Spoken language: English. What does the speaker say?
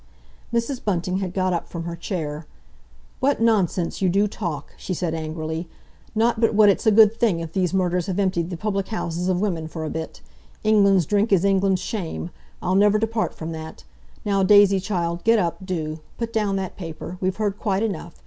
Mrs. Bunting had got up from her chair. "What nonsense you do talk!" she said angrily. "Not but what it's a good thing if these murders have emptied the public houses of women for a bit. England's drink is England's shame—I'll never depart from that! Now, Daisy, child, get up, do! Put down that paper. We've heard quite enough.